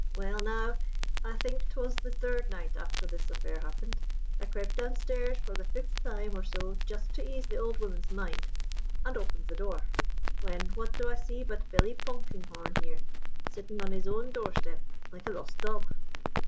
"'Well, now I think 'twas the third night after this affair happened I crep' downstairs for the fifth time or so just to ease the old woman's mind, and opens the door, when what do I see but Billy Polkinghorne here, sittin' on his own doorstep like a lost dog.